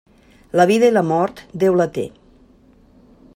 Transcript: La vida i la mort, Déu la té.